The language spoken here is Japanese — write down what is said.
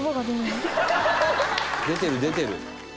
「出てる出てる」